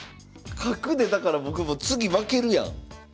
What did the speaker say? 角でだから僕もう次負けるやん。